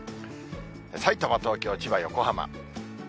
さいたま、東京、千葉、横浜。